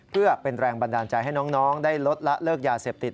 เพื่อเป็นแรงบันดาลใจให้น้องได้ลดละเลิกยาเสพติด